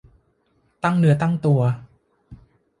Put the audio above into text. ตั้งเนื้อตั้งตัว